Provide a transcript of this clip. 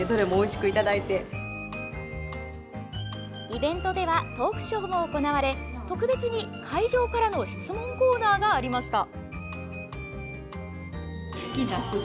イベントではトークショーも行われ特別に会場からの質問コーナーがありました。